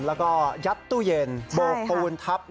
แล้วก็ยัตตุเย็นโบกประวุณทัพ